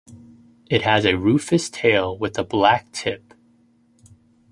It has a rufous tail with a black tip.